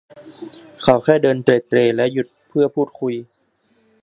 เขาแค่เดินเตร็ดเตร่และหยุดเพื่อพูดคุย